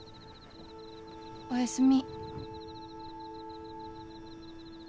おやすみ。